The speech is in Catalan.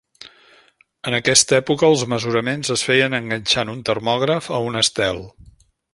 En aquesta època els mesuraments es feien enganxant un termògraf a un estel.